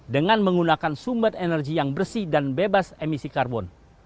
dengan menggunakan sumber energi yang bersih dan bebas emisi karbon